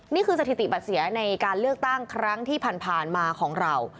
นี่คือสถิติบัตรเสียในการเลือกตั้งครั้งที่ผ่านมาของเรา